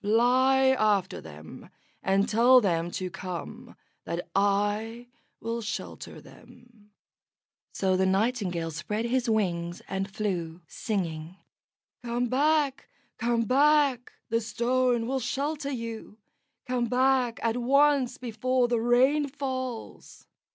Fly after them and tell them to come, that I will shelter them." So the Nightingale spread his wings, and flew, singing: "Come back, come back! The Stone will shelter you. Come back at once before the rain falls."